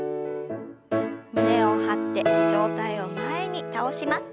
胸を張って上体を前に倒します。